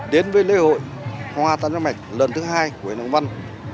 đến với lễ hội hoa tam giác mạch lần thứ hai của huyện nông văn